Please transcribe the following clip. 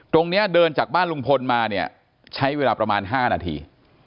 เดินจากบ้านลุงพลมาเนี่ยใช้เวลาประมาณ๕นาที